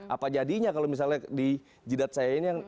apa jadinya kalau misalnya di jidat saya ini